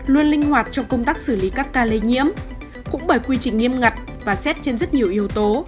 luôn linh hoạt trong công tác xử lý các ca lây nhiễm cũng bởi quy trình nghiêm ngặt và xét trên rất nhiều yếu tố